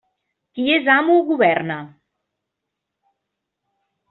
Qui és amo, governa.